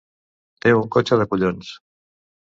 Té un cotxe de collons.